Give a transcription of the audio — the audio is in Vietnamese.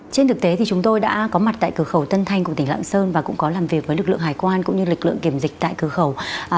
trên thực tế thì chúng tôi đã có mặt tại cửa khẩu tân thanh của tỉnh lạng sơn và cũng có làm việc với lực lượng hải quan cũng như lực lượng kiểm dịch tại cửa khẩu